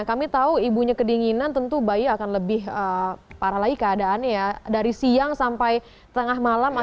kami tahu ibunya kedinginan tentu bayi akan lebih paralai keadaannya ya